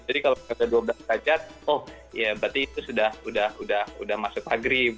jadi kalau ada dua belas derajat oh ya berarti itu sudah masuk maghrib